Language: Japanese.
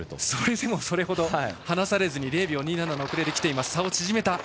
それでもそれほど離されず０秒２７の遅れできています。